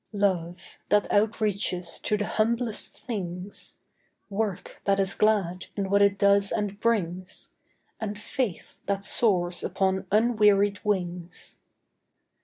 Love, that outreaches to the humblest things; Work that is glad, in what it does and brings; And faith that soars upon unwearied wings.